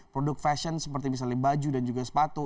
produk fashion seperti misalnya baju dan juga sepatu